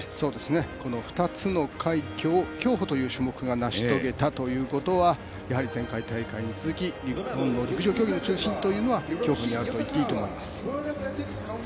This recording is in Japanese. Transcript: この２つの快挙を競歩という種目が成し遂げたということは前回大会に続き、日本の陸上競技の続きっていうのは競歩にあるといっていいと思います。